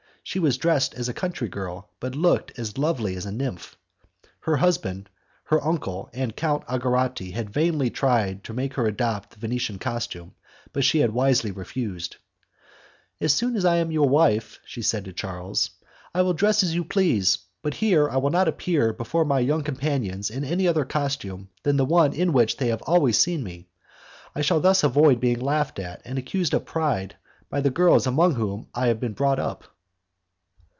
She was dressed as a country girl, but looked as lovely as a nymph. Her husband, her uncle, and Count Algarotti had vainly tried to make her adopt the Venetian costume, but she had very wisely refused. "As soon as I am your wife," she had said to Charles, "I will dress as you please, but here I will not appear before my young companions in any other costume than the one in which they have always seen me. I shall thus avoid being laughed at, and accused of pride, by the girls among whom I have been brought up."